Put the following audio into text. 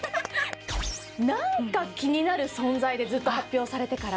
なんか気になる存在でずっと発表されてから。